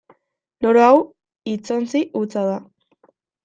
Loro hau hitzontzi hutsa da.